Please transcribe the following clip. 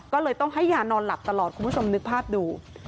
ก็เลยต้องให้ยานอนหลับตลอดคุณผู้ชมนึกภาพดู